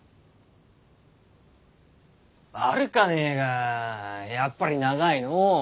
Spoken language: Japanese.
悪かねぇがやっぱり長いのう。